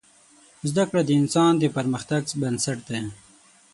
زده کړه د انسان د پرمختګ بنسټ دی.